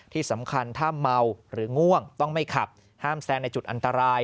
ที่สำคัญถ้าเมาหรือง่วงต้องไม่ขับห้ามแซงในจุดอันตราย